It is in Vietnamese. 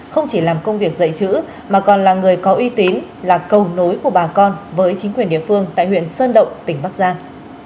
không chỉ làm công việc dạy chữ mà còn là người có uy tín là cầu nối của bà con với chính quyền địa phương tại huyện sơn động tỉnh bắc giang